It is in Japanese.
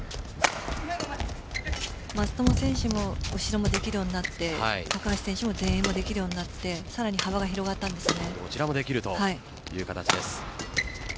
松友選手も後ろもできるようになって高橋選手も前衛ができるようになってさらに幅が広がったんですよね。